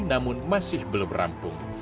namun masih belum rampung